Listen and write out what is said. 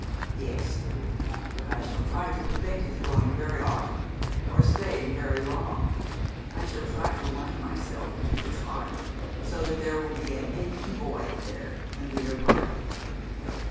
'Yes, but I shall try to prevent his going very often, or staying very long. I shall try to wind myself into his heart, so that there will be an aching void there when we are parted.'